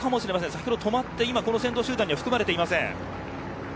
先ほど止まって先頭集団に含まれていません。